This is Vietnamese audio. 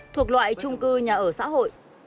thuộc loại trung cư nhà ở xã hội